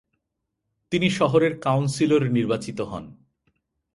তিনি শহরের কাউন্সিলর নির্বাচিত হন।